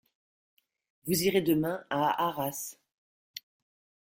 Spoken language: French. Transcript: Vous irez demain à Arras.